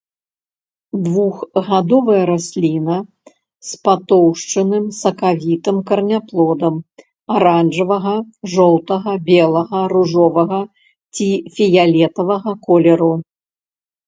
Двухгадовая расліна з патоўшчаным сакавітым караняплодам аранжавага, жоўтага, белага, ружовага ці фіялетавага колеру.